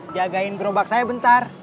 jagain gerobak saya bentar